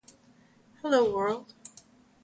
Hello, world!